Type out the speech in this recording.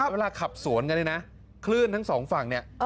เวลาขับสวนกันเนี่ยนะคลื่นทั้งสองฝั่งเนี่ย